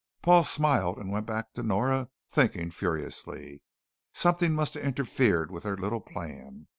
Paul smiled and went back to Nora, thinking furiously. Something must have interfered with their little plan.